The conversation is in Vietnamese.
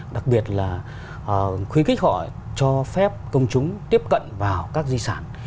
đặc biệt là khuyến khích họ cho phép công chúng tiếp cận vào các di sản